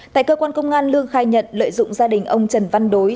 tại cơ quan công an lương khai nhận lợi dụng gia đình ông trần văn đối